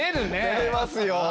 てれますよ。